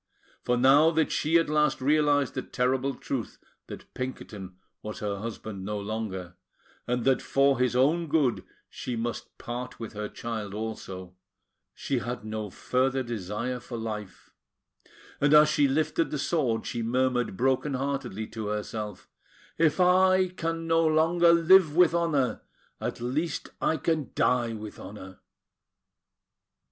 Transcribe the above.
For now that she at last realised the terrible truth that Pinkerton was her husband no longer, and that for his own good she must part with her child also, she had no further desire for life; and as she lifted the sword, she murmured broken heartedly to herself: "If I can no longer live with honour, at least I can die with honour!"